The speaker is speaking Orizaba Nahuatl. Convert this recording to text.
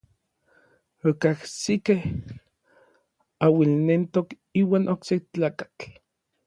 Okajsikej auilnentok iuan okse tlakatl.